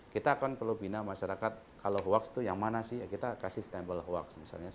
kita akan perlu bina masyarakat kalau hoax itu yang mana sih kita kasih stempel hoax misalnya